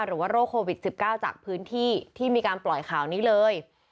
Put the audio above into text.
โรคโควิด๑๙จากพื้นที่ที่มีการปล่อยข่าวนี้เลย